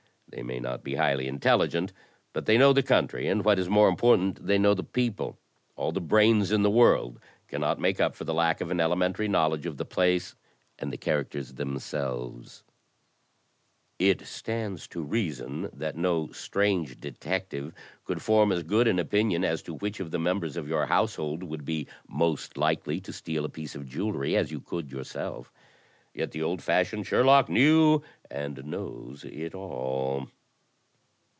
They may not be highly intelligent, but they know the coimtry, and, what is more important, they know the people. All the brains in the world cannot make up for the lack of an elementary knowledge of the place and the characters themselves. It I. i Mt'itA THE DETECTIVE 69 stands to reason that no strange detective could form as good an opinion as to which of the members of your household would be most likely to steal a piece of jewelry as you could yourself. Yet the old fashioned Sherlock knew and knows it all.